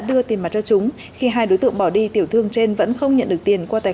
đưa tiền mặt cho chúng khi hai đối tượng bỏ đi tiểu thương trên vẫn không nhận được tiền qua tài